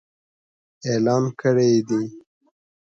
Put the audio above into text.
اعلان کړي يې دي.